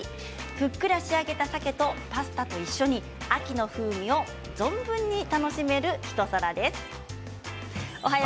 ふっくら仕上げたさけとパスタと一緒に秋の風味を存分に楽しめる一皿です。